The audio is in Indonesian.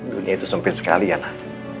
dunia itu sempit sekali ya lah